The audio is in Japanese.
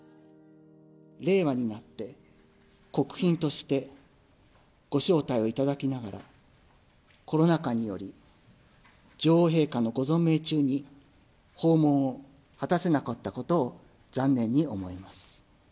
令和になって国賓としてご招待をいただきながら、コロナ禍により、女王陛下のご存命中に訪問を果たせなかったことを残念に思います。